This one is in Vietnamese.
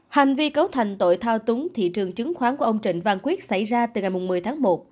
hành vi cấu thành tội thao túng thị trường chứng khoán của ông trịnh văn quyết xảy ra từ ngày một mươi tháng một